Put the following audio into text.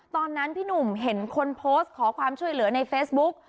ตอนนั้นพี่หนุ่มเห็นคนโพสต์ขอความช่วยเหลือในเฟซบุ๊ก